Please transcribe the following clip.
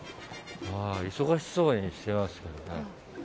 忙しそうにしてますけどね。